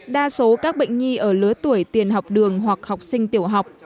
đa số các bệnh nhi ở lứa tuổi tiền học đường hoặc học sinh tiểu học